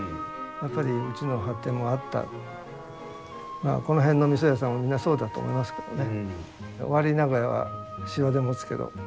まあこの辺の味噌屋さんはみんなそうだと思いますけどね。